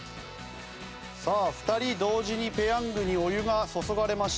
さあ２人同時にペヤングにお湯が注がれました。